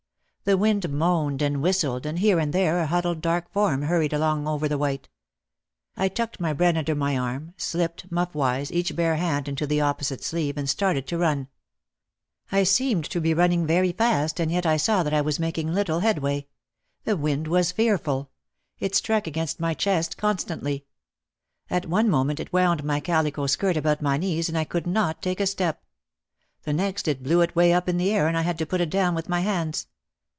The wind moaned and whistled and here and there a huddled dark form hurried along over the white. I tucked my bread under my arm, slipped, muff wise, each bare hand into the opposite sleeve and started to run. I seemed to be running very fast and yet I saw that I was making little headway. The wind was fearful. It struck against my chest constantly. At one moment it wound my calico skirt about my knees and I could not take a step. The next it blew it way up in the air and I had to put it down with my hands.